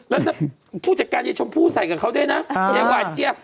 แล้วผู้จัดการเย็นชมพูใส่กับเขาด้วยนะฮาวันเจฟ